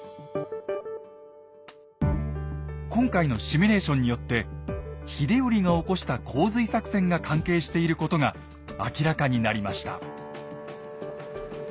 今回のシミュレーションによって秀頼が起こした洪水作戦が関係していることが明らかになりました。